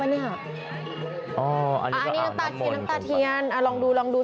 อันนี้น้ำตาเทียนลองดู